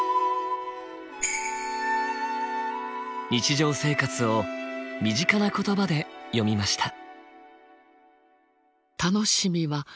日常生活を身近な言葉で詠みました。